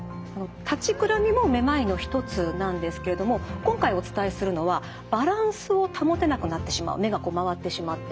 立ちくらみもめまいの一つなんですけれども今回お伝えするのはバランスを保てなくなってしまう目がこう回ってしまって。